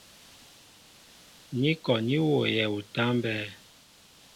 Ní kɔ ní wooyɛ utámbɛ́ɛ́.